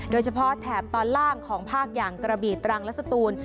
แถบตอนล่างของภาคอย่างกระบีตรังและสตูน